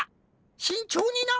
しんちょうにな。